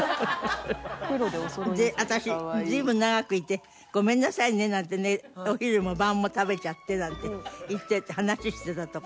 で私「随分長くいてごねんなさいね」なんてね「お昼も晩も食べちゃって」なんて言って話してたとこ。